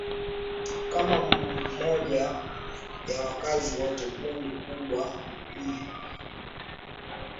kama moja ya wakazi wote Kundi kubwa ni Bahai lakini dini